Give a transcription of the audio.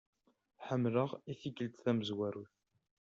Ḥemlaɣ i-tikelt tamzwarut.